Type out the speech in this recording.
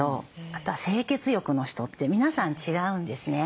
あとは清潔欲の人って皆さん違うんですね。